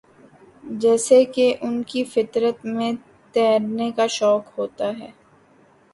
جیسے کہ ان کی فطر ت میں تیرنے کا شوق ہوتا ہے